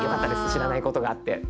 知らないことがあって。